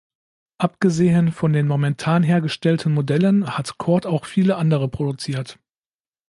Abgesehen von den momentan hergestellten Modellen hat Cort auch viele andere produziert.